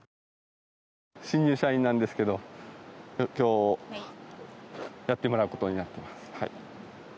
新入社員なんですけど今日やってもらうことになってます。